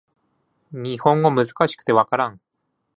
日本語難しくて分からん